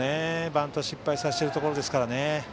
バント失敗させているところですからね。